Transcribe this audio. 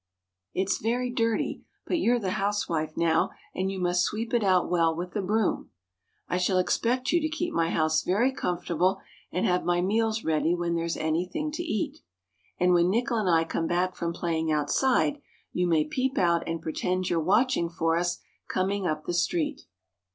It's very dirty, but you're the housewife now, and you must sweep it out well with the broom. I shall expect you to keep my house very comfortable, and have my meals ready when there's anything to eat; And when Nickel and I come back from playing outside, you may peep out and pretend you're watching for us coming up the street.